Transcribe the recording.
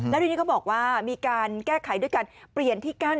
แล้วทีนี้เขาบอกว่ามีการแก้ไขด้วยการเปลี่ยนที่กั้น